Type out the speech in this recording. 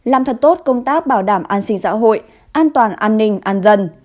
làm thật tốt công tác bảo đảm an sinh xã hội an toàn an ninh an dân